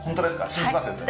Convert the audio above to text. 信じますよ先生。